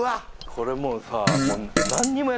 これもうさ。